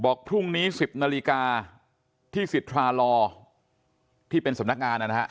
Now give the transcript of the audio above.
พรุ่งนี้๑๐นาฬิกาที่สิทธารอที่เป็นสำนักงานนะฮะ